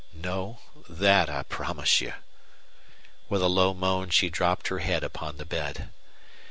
"No. That I promise you." With a low moan she dropped her head upon the bed.